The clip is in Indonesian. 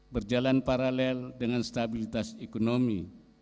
berjalan paralel dengan stabilitas ekonomi